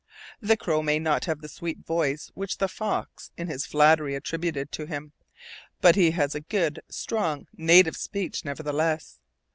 The crow may not have the sweet voice which the fox in his flattery attributed to him, but he has a good, strong, native speech, nevertheless.